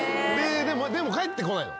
でも返ってこないの。